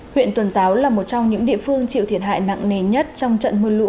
huyện tuần giáo là một trong những địa phương chịu thiệt hại nặng nề nhất trong trận mưa lũ